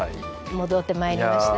戻ってまいりました。